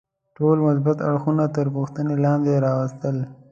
ټول مثبت اړخونه تر پوښتنې لاندې راوستل.